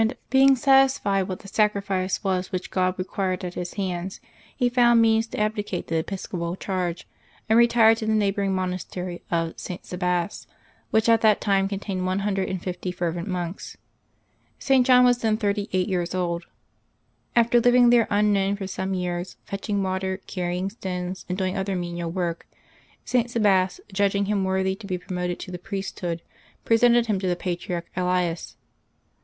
Being satisfied what the sacrifice was which God required at his hands, he found means to abdicate the episcopal charge, and retired to the neighboring monastery of St. Sabas, which at that time contained one hundred and fifty fervent monks. St. John was then thirty eight years old. After living there unknown for some years, fetching water. May 141 LIVES OF THE SAINTS 179 carrying stones, and doing other menial work, St. Sabas, judging him worthy to be promoted to the priesthood, presented him to the Patriarch Elias.